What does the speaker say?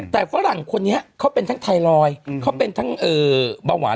แต่ฝรั่งคนนี้เขาเป็นทั้งไทรอยด์เขาเป็นทั้งเบาหวาน